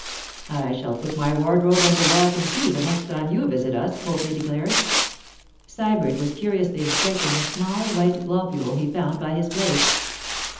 'I shall put my wardrobe under lock and key the next time you visit us,' Copley declared. Sybert was curiously inspecting a small white globule he found by his plate.